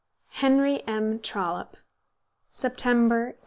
HENRY M. TROLLOPE. September, 1883.